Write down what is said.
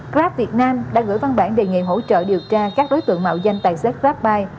grab việt nam đã gửi văn bản đề nghị hỗ trợ điều tra các đối tượng mạo danh tài xế grabbuy